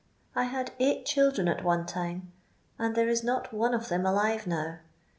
I had eight chil dren at one time, and there b not one of them alive now.